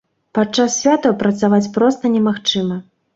Падчас святаў працаваць проста немагчыма.